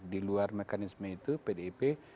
di luar mekanisme itu pdip